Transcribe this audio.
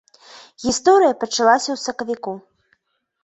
Гісторыя пачалася ў сакавіку.